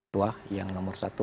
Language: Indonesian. tua yang nomor satu